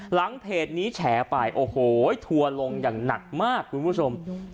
เพจนี้แฉไปโอ้โหทัวร์ลงอย่างหนักมากคุณผู้ชม